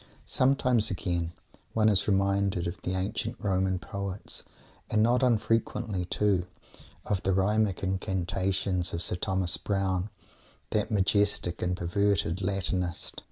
Sometimes, again, one is reminded of the ancient Roman poets, and not unfrequently, too, of the rhythmic incantations of Sir Thomas Browne, that majestic and perverted Latinist.